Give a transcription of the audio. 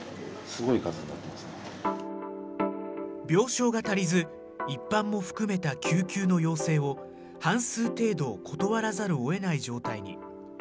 病床が足りず、一般も含めた救急の要請を半数程度断らざるをえない状態に。